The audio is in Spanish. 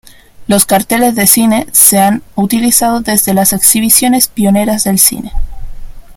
Los carteles de cine se han utilizado desde las exhibiciones pioneras del cine.